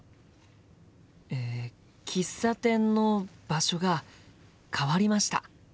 え喫茶店の場所が変わりました。